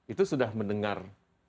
itu sudah mendengar